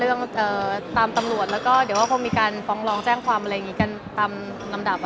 แล้วก็เดี๋ยวคงมีการฟ้องรองแจ้งความอะไรอย่างนี้กันตามนำดับ